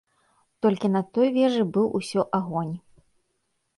Толькі на той вежы быў усё агонь.